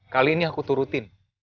kali ini aku turutin